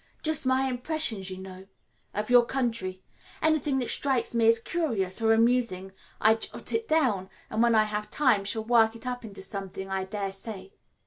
Just my impressions, you know, of your country. Anything that strikes me as curious or amusing I jot it down, and when I have time shall work it up into something, I daresay."